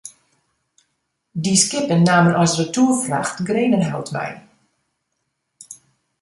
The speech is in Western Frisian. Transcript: Dy skippen namen as retoerfracht grenenhout mei.